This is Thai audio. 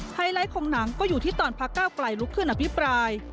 ไฮไลท์ของหนังก็อยู่ที่ตอนพักก้าวไกลลุกขึ้นอภิปราย